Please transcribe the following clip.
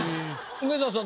梅沢さん